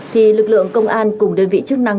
thì lực lượng công an cùng đơn vị chức năng